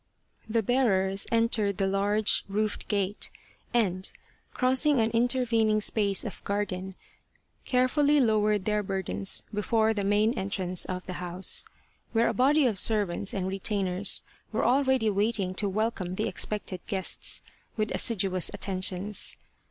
The bearers entered the large roofed gate and, crossing an intervening space of garden, carefully lowered their burdens before the main entrance of the house, where a body of servants and retainers were already waiting to welcome the expected guests with assiduous attentions.